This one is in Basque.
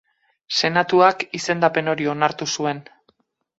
Senatuak izendapen hori onartu zuen.